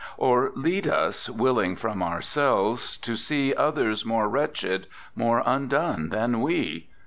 Or lead us willing from ourselves, to see Others more wretched, more undone than we?